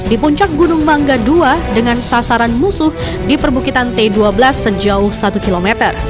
di puncak gunung mangga dua dengan sasaran musuh di perbukitan t dua belas sejauh satu km